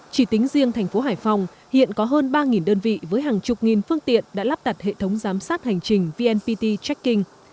chỉ tính riêng thành phố hải phòng hiện có hơn ba đơn vị với hàng chục nghìn phương tiện đã lắp đặt hệ thống giám sát hành trình vnpt checking